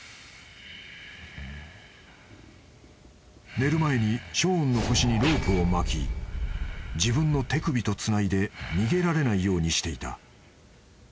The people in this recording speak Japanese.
［寝る前にショーンの腰にロープを巻き自分の手首とつないで逃げられないようにしていた］